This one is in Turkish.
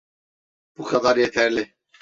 Bu kadar yeterli.